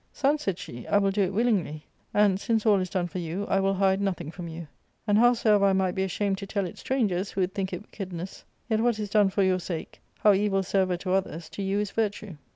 " Son," said she, " I will do it willingly, and, since all is done for you, I will hide nothing from you. And howsoever I might be ashamed to tell it strangers, who would think it wickedness, yet what is done for your sake, how evil soever to others, to you is virtue.